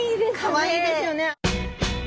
かわいいですよね。